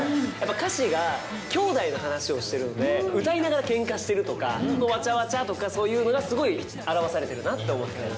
やっぱ歌詞が兄弟の話をしてるので、歌いながらけんかしてるとか、わちゃわちゃとか、そういうのがすごい、表されてるなって思って。